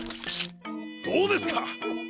どうですか！